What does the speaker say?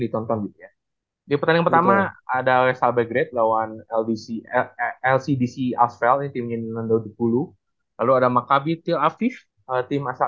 ditonton di pertandingan pertama ada wesal bekerja lawan lcdc asfalt tim sembilan ribu sepuluh lalu ada maka btl tim